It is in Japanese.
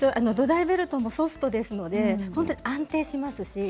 土台ベルトもソフトで安定します。